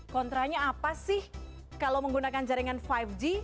kontra nya apa sih kalau menggunakan jaringan lima g